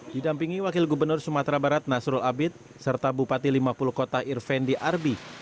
didampingi wakil gubernur sumatera barat nasrul abid serta bupati lima puluh kota irvendi arbi